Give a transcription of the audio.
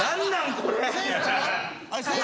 これ。